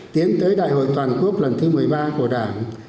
tiến tới đại hội toàn quốc lần thứ một mươi ba của đảng